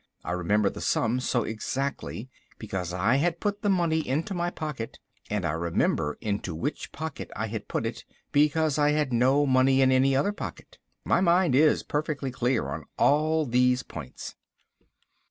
I remembered the sum so exactly because I had put the money into my pocket, and I remember into which pocket I had put it because I had no money in any other pocket. My mind is perfectly clear on all these points.